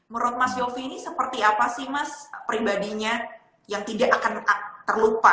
menurut mas yofi ini seperti apa sih mas pribadinya yang tidak akan terlupa